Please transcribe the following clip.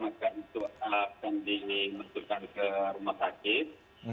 maka itu akan dimunculkan ke rumah sakit